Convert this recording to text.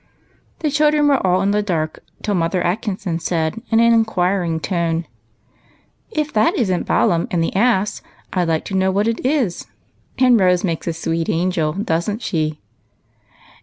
The children were all in the dark till Mother Atkin son said, in an inquiring tone, —" If that is n't Balaam and the ass, I 'd like to know what it is. Rose makes a sweet angel, don't she